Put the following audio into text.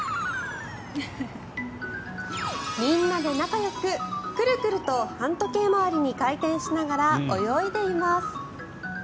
みんなで仲よくくるくると反時計回りに回転しながら泳いでいます。